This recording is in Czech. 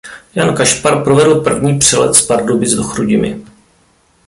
Jan Kašpar provedl první přelet z Pardubic do Chrudimi.